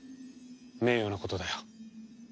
名誉なことだよ。